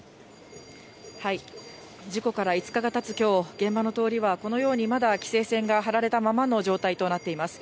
事故から５日がたつきょう、現場の通りはこのようにまだ規制線が張られたままの状態となっています。